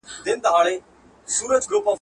زما فال یې د حافظ په میخانه کي وو کتلی.